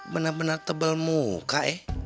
benar benar tebal muka ya